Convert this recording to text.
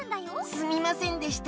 すみませんでした。